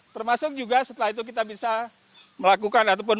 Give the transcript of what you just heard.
termasuk juga setelah itu kita bisa melakukan ataupun